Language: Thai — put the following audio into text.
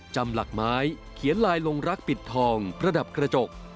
จำหลักไม้เขียนลายลงรักปิดทองประดับกระจก